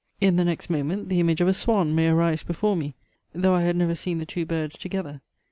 In the next moment the image of a swan may arise before me, though I had never seen the two birds together.